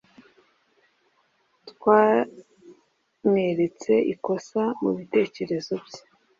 twamweretse ikosa mubitekerezo bye